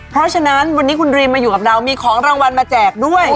เพราะฉะนั้นวันนี้คุณรีมมาอยู่กับเรามีของรางวัลมาแจกด้วย